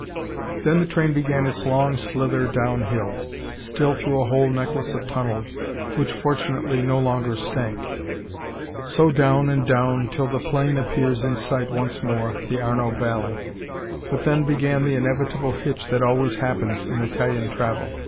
Then the train began its long slither downhill, still through a whole necklace of tunnels, which fortunately no longer stank. So down and down, till the plain appears in sight once more, the Arno valley. But then began the inevitable hitch that always happens in Italian travel.